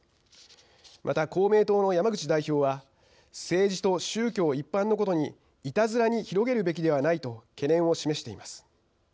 また、公明党の山口代表は「政治と宗教一般のことにいたずらに広げるべきではない」と懸念を示しています。